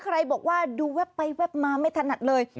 ใครบอกว่าดูแวบไปแวบมาไม่ถนัดเลย